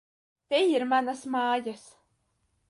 Te ir manas mājas!